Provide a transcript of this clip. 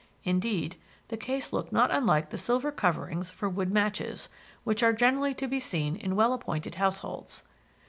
Indeed, the case looked not unlike the silver coverings for wood matches, which are generally to be seen in well appointed households.